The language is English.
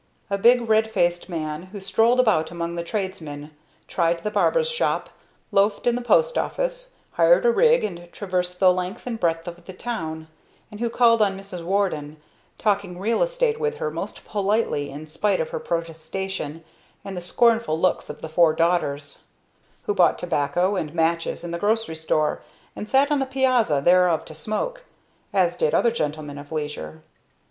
A big red faced man, who strolled about among the tradesmen, tried the barber's shop, loafed in the post office, hired a rig and traversed the length and breadth of the town, and who called on Mrs. Warden, talking real estate with her most politely in spite of her protestation and the scornful looks of the four daughters; who bought tobacco and matches in the grocery store, and sat on the piazza thereof to smoke, as did other gentlemen of leisure.